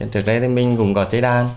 trước đây thì mình cũng có chế đăng